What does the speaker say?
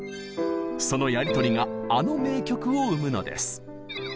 そのやり取りがあの名曲を生むのです。